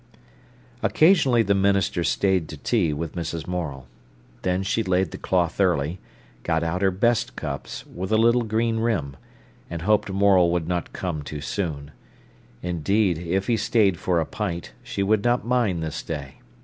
Occasionally the minister stayed to tea with Mrs. Morel. Then she laid the cloth early, got out her best cups, with a little green rim, and hoped Morel would not come too soon; indeed, if he stayed for a pint, she would not mind this day.